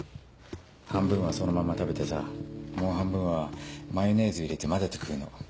半分はそのまま食べてさもう半分はマヨネーズ入れて交ぜて食うの。